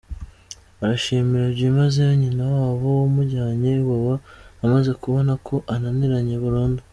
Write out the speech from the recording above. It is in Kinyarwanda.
Arashimira byimazeyo nyina wabo wamujyane Iwawa amaze kubona ko ananiranye Burundu.